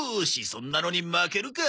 そんなのに負けるか！